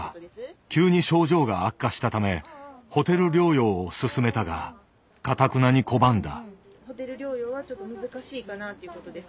急に症状が悪化したため「ホテル療養」を勧めたがかたくなに拒んだ。